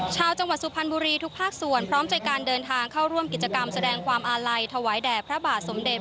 ชาวจังหวัดสุพรรณบุรีทุกภาคส่วนพร้อมใจการเดินทางเข้าร่วมกิจกรรมแสดงความอาลัยถวายแด่พระบาทสมเด็จ